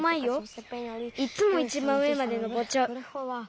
いっつもいちばん上までのぼっちゃう。